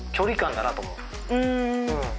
うん。